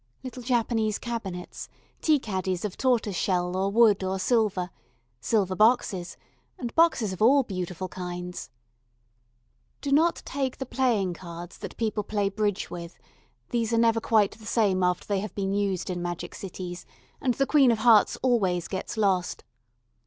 Little Japanese cabinets, tea caddies of tortoiseshell or wood or silver, silver boxes and boxes of all beautiful kinds. Do not take the playing cards that people play bridge with: these are never quite the same after they have been used in magic cities, and the Queen of Hearts always gets lost.